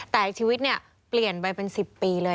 แต่ชีวิตเปลี่ยนไปเป็น๑๐ปี